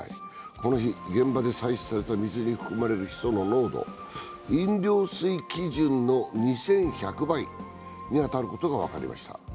この日、現場で採取された水に含まれるヒ素の濃度、飲料水基準の２１００倍に当たることが分かりました。